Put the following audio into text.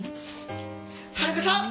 春子さん！